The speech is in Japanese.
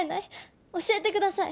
教えてください！